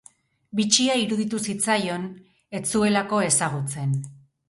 Bitxia iruditu zitzaion, ez zuelako ezagutzen.